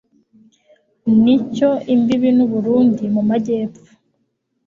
nicyo imbibi n'u Burundi mu Majyepfo,